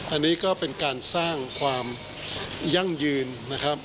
อันนี้ก็เป็นการสร้างความยั่งยืนนะครับ